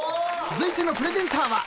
［続いてのプレゼンターは］